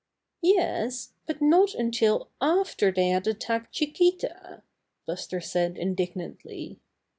"Yes, but not until after they had attacked Chiquita," Buster said indignantly.